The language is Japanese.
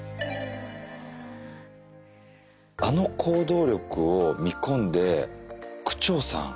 あの行動力を見込んで区長さん